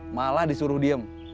malah disuruh diem